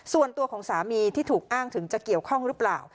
ส่วนตัวของสามีที่ถูกอ้างถึงจะเกี่ยวข้องหรือเปล่า